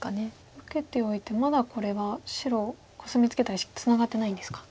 受けておいてまだこれは白コスミツケた石ツナがってないんですか。